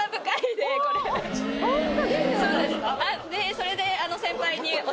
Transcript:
それで。